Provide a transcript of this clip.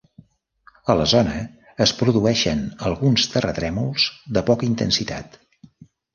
A la zona es produeixen alguns terratrèmols de poca intensitat.